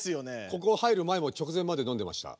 ここ入る前も直前までのんでました。